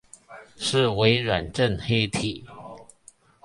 是微軟正黑體